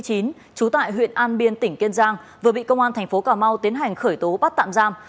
trú tại huyện an biên tỉnh kiên giang vừa bị công an tp hcm tiến hành khởi tố bắt tạm giam